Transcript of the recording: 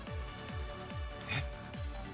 えっ？